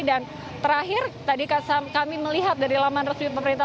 dan terakhir tadi kami melihat dari laman resmi pemerintah